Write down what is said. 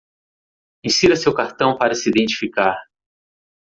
Insira seu cartão para se identificar.